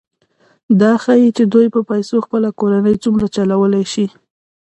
دا ښيي چې دوی په پیسو خپله کورنۍ څومره چلولی شي